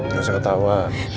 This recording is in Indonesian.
gak usah ketawa